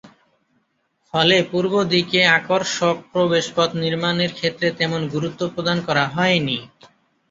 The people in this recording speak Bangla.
ফলে পূর্বদিকে আকর্ষক প্রবেশপথ নির্মাণের ক্ষেত্রে তেমন গুরুত্ব প্রদান করা হয় নি।